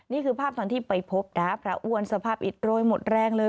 นี่คือภาพตอนที่ไปพบนะพระอ้วนสภาพอิดโรยหมดแรงเลย